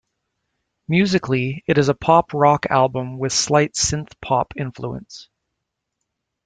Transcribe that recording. Musically, it is a pop rock album with slight synthpop influence.